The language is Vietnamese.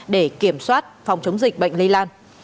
để kiểm soát phòng chống dịch bệnh lây lan